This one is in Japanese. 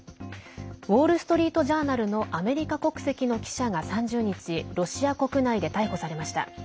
ウォール・ストリート・ジャーナルのアメリカ国籍の記者が３０日ロシア国内で逮捕されました。